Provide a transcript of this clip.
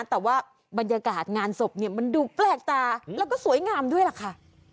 แต่ว่าบรรยากาศงานศพเนี่ยมันดูแปลกตาแล้วก็สวยงามด้วยล่ะค่ะ